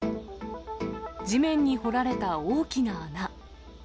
地面に掘られた大きな穴。